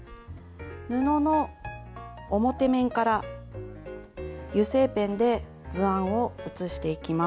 布の表面から油性ペンで図案を写していきます。